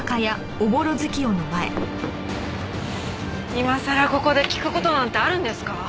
今さらここで聞く事なんてあるんですか？